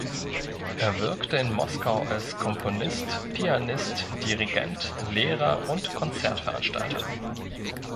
Er wirkte in Moskau als Komponist, Pianist, Dirigent, Lehrer und Konzertveranstalter.